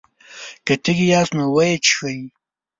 که تږي ياست نو ويې څښئ!